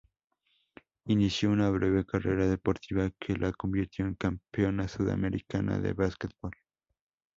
Inició una breve carrera deportiva que la convirtió en campeona sudamericana de básquetbol.